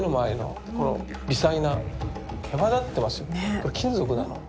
これ金属なの？